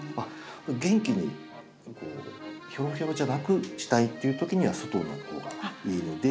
元気にひょろひょろじゃなくしたいっていう時には外の方がいいので。